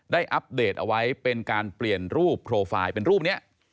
อัปเดตเอาไว้เป็นการเปลี่ยนรูปโปรไฟล์เป็นรูปนี้